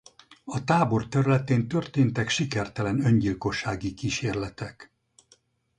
A tábor területén történtek sikertelen öngyilkossági kísérletek.